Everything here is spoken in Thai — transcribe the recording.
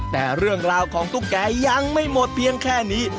แต่เรื่องราวของตุ๊กแกยังไม่หมดเพียงแค่นี้